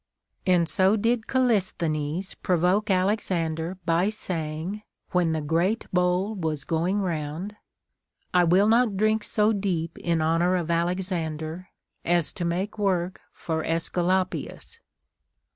* And so did Callisthenes provoke Alexander by saying, when the great bowl was going round, I will not drink so deep in honor of Alexander, as to make work for Aescu lapius.